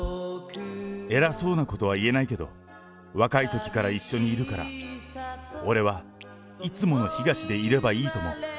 偉そうなことは言えないけど、若いときから一緒にいるから、俺はいつものヒガシでいればいいと思う。